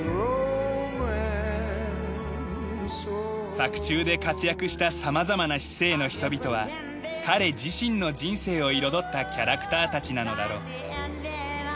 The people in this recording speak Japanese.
作中で活躍した様々な市井の人々は彼自身の人生を彩ったキャラクターたちなのだろう。